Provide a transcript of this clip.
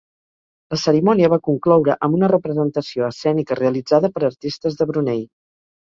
La cerimònia va concloure amb una representació escènica realitzada per artistes de Brunei.